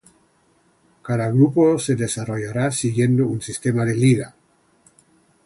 Cada grupo se desarrollará siguiendo un sistema de liga.